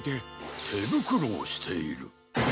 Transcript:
てぶくろをしている。